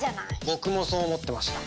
僕もそう思ってました。